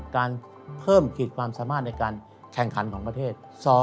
การเพิ่มขีดความสามารถในการแข่งขันของประเทศ